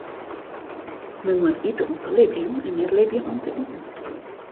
Men moat ite om te libjen en net libje om te iten.